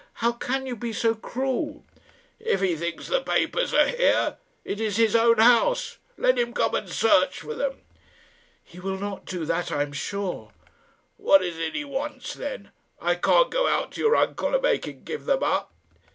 how can you be so cruel?" "If he thinks the papers are here, it is his own house; let him come and search for them." "He will not do that, I am sure." "What is it he wants, then? I can't go out to your uncle and make him give them up."